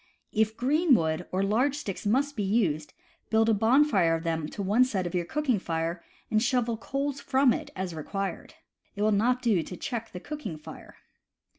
If green wood or large sticks must be used, build a bon fire of them to one side of your cooking fire, and shovel coals from it as required. It will not do to check the cooking fire.